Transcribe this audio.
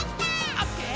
「オッケー！